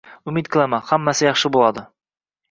Umid qilaman. Hammasi yaxshi bo'ladi.